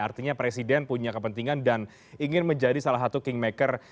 artinya presiden punya kepentingan dan ingin menjadi salah satu kingmaker